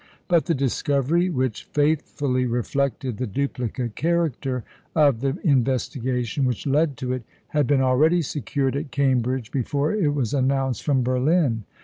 But the discovery, which faithfully reflected the duplicate character of the investigation which led to it, had been already secured at Cambridge before it was announced from Berlin.